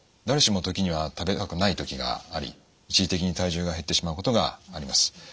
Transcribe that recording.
誰しも時には食べたくない時があり一時的に体重が減ってしまうことがあります。